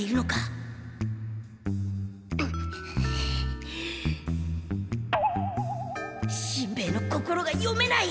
心の声しんべヱの心が読めない！